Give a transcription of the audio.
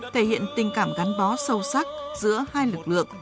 thể hiện tình cảm gắn bó sâu sắc giữa hai lực lượng